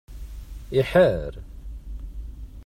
Iḥar.